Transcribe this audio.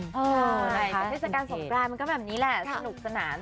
เทศกาลสงกรานมันก็แบบนี้แหละสนุกสนาน